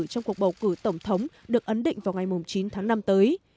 trong cuộc bầu cử tổng thống được ấn định vào ngày chín tháng năm tới